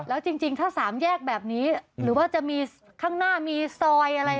แล้วจริงถ้าสามแยกแบบนี้หรือว่าจะมีข้างหน้ามีซอยอะไร